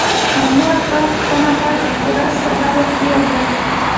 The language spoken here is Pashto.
د مور او پلار پوښتنه هر ورځ سهار وختي وکړئ.